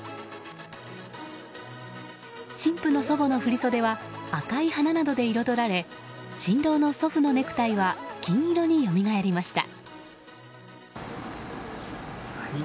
新婦の祖母の振袖は赤い花などで彩られ新郎の祖父のネクタイは金色によみがえりました。